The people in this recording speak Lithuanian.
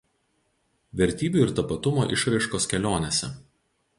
Vertybių ir tapatumo išraiškos kelionėse.